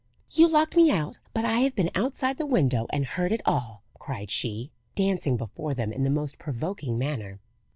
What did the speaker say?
"You locked me out, but I have been outside the window and heard it all," cried she, dancing before them in the most provoking manner.